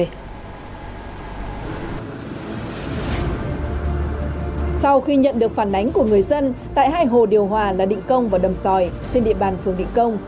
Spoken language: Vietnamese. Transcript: sau khi nhận được phản ánh của người dân tại hai hồ điều hòa là định công và đầm sòi trên địa bàn phường định công